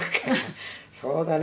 そうだね。